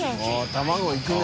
卵いくね。